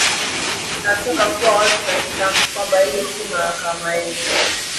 Ninataka kua wazi na kila mtu kwamba hiyo si mahakama yetu